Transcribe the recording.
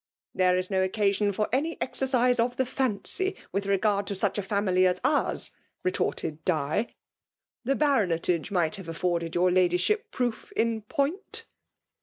— 'There is no occasion for any ex ercise of the fancy with regard to such a family as purs !• retorted Di. * The Ba VOL. III. c jconetoge might lisTe afforded your laditthip proof iu point.'